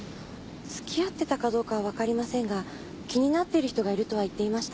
つきあってたかどうかはわかりませんが気になっている人がいるとは言っていました。